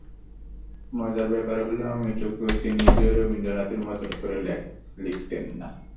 মজার ব্যাপার হলো, অমিয় চক্রবর্তী নিজেও রবীন্দ্রনাথের মতন করে লিখতেন না।